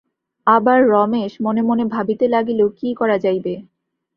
আবার রমেশ মনে মনে ভাবিতে লাগিল কী করা যাইবে?